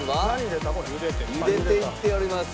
茹でていっております。